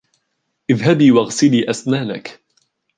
إذهبي واغسلي أسنانك.